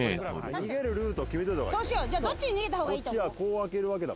逃げるルートを決めておいた方がいい。